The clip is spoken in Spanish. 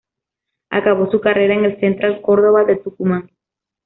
Acabó su carrera en el Central Córdoba de Tucumán.